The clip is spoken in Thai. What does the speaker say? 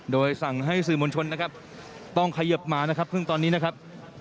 โดยสั่งให้สื่อมวลชนนะครับต้องเขยิบมานะครับซึ่งตอนนี้นะครับ